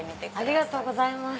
ありがとうございます。